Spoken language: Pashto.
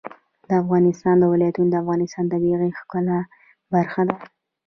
د افغانستان ولايتونه د افغانستان د طبیعت د ښکلا برخه ده.